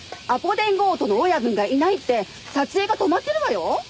アポ電強盗の親分がいないって撮影が止まってるわよ！